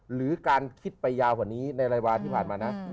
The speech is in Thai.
หรือการคิดไปยาวกว่านี้ในรายวาที่ผ่านมานะ